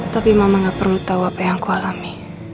tapi mama gak perlu tau apa yang aku alami